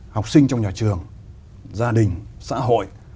học sinh trong nhà trường gia đình xã hội